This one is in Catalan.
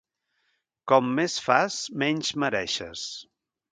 Com més fas, menys mereixes.